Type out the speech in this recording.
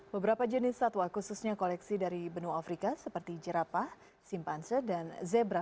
beberapa jenis satwa khususnya koleksi dari benua afrika seperti jerapah simpanse dan zebra